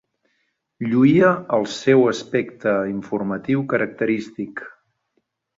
Lluïa el seu aspecte informatiu característic.